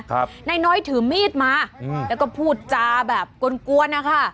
นายน้อยถือมีดมาอืมแล้วก็พูดจาแบบกวนกวนนะคะ